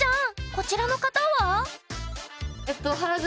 こちらの方は？